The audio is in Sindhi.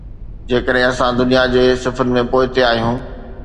جيڪڏهن اسان دنيا جي صفن ۾ پوئتي آهيون.